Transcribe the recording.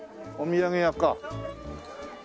お土産屋か。